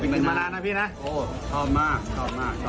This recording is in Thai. อริงมารันนะพี่โอ้โฮชอบมากชอบมาก